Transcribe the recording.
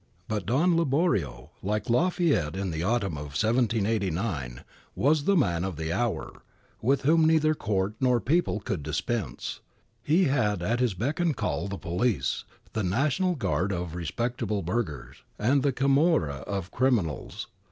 But Don Liborio, like Lafayette in the autumn of 1789, was the man of the hour with whom neither Court nor people could dispense : he had at his beck and call the pohce, the National Guard of respectable burghers, and the camorra of criminals.